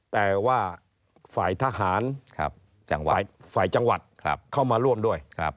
แต่ว่าฝ่ายทหารฝ่ายจังหวัดเข้ามาร่วมด้วย